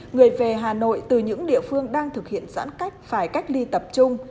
người về hà nội từ những địa phương đang thực hiện giãn cách phải cách ly tập trung